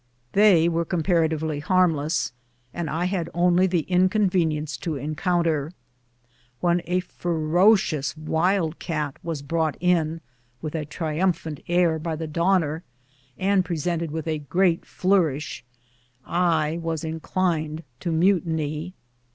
They were comparatively harmless, and I had only the inconvenience to encounter. When a ferocious wild cat was brought in, with a triumphant air, by the donor, and presented with a great flourish, I was inclined to mutiny.